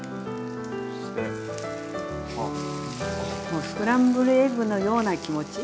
もうスクランブルエッグのような気持ち。